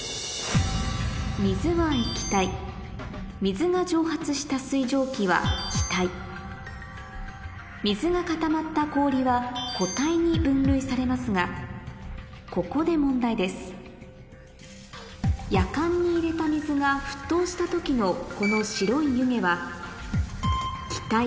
水は液体水が蒸発した水蒸気は気体水が固まった氷は固体に分類されますがここで問題ですやかんに入れた水が沸騰した時のこの白い湯気は湯気だよ。